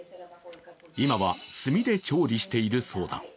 今は炭で調理しているそうだ。